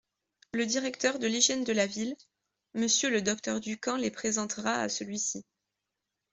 Le Directeur de l'hygiène de la Ville, Monsieur le docteur Ducamp les présentera à celui-ci.